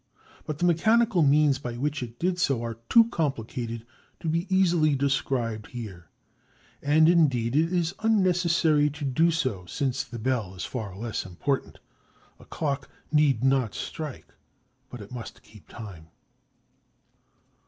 But the mechanical means by which it did so are too complicated to be easily described here. And indeed it is unnecessary to do so, since the bell is far less important. A clock need not strike, but it must keep time.